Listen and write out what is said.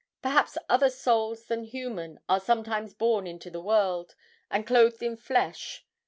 Perhaps other souls than human are sometimes born into the world, and clothed in flesh.